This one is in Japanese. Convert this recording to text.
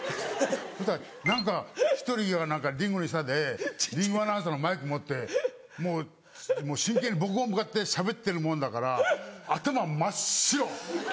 そしたら何か１人リングの下でリングアナウンサーのマイク持ってもう真剣に僕を向かってしゃべってるもんだから頭真っ白。